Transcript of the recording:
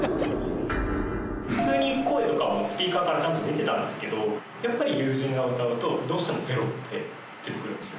普通に声とかもスピーカーからちゃんと出てたんですけどやっぱり友人が歌うとどうしてもゼロって出てくるんですよ。